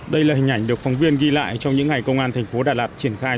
đây là hình ảnh được phóng viên ghi lại trong những ngày công an thành phố đà lạt triển khai